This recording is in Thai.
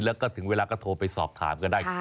แล้วก็ถึงเวลาก็โทรไปสอบถามก็ได้